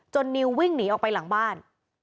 นิววิ่งหนีออกไปหลังบ้าน